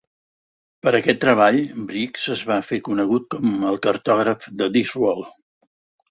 Per aquest treball, Briggs es va fer conegut com el cartògraf de Discworld.